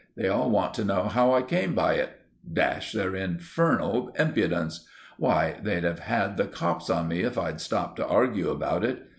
They all want to know how I came by it! Dash their infernal impudence! Why, they'd have had the cops on me if I'd stopped to argue about it!